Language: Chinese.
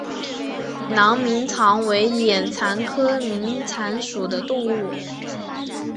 囊明蚕为眼蚕科明蚕属的动物。